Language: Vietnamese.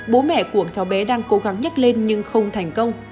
bố mẹ của cháu bé đang cố gắng nhắc lên nhưng không thành công